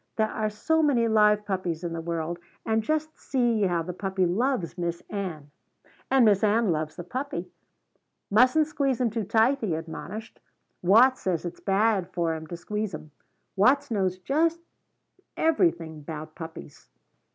There are so many live puppies in the world. And just see how the puppy loves Miss Ann." "And Miss Ann loves the puppy. Mustn't squeeze him too tight," he admonished. "Watts says it's bad for 'em to squeeze 'em. Watts knows just everything 'bout puppies.